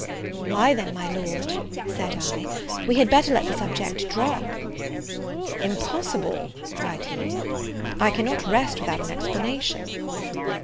"Why then, my Lord," said I, "we had better let the subject drop." "Impossible!" cried he, "I cannot rest without an explanation!"